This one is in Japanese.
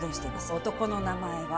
男の名前は。